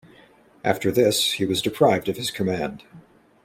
After this he was deprived of his command.